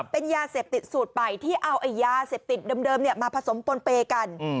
เป็นยาเสพติดสูตรใหม่ที่เอายาเสพติดเดิมมาผสมปนเปย์กัน